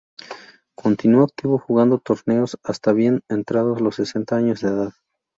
Continuó activo jugando torneos hasta bien entrados los sesenta años de edad.